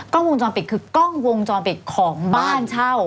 กล้องวงจรปิดคือกล้องวงจรปิดของบ้านเช่า